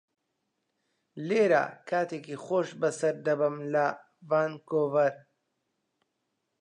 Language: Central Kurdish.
لێرە کاتێکی خۆش بەسەر دەبەم لە ڤانکوڤەر.